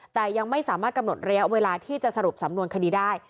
แต่ยังไม่สามารถกำหนดระยะเวลาที่จะสรุปสำนวนคดีได้